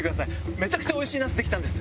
めちゃくちゃおいしいナスできたんです。